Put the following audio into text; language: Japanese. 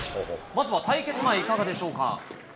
まずは対決前、いかがでしょうか。